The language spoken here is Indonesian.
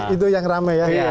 itu yang rame ya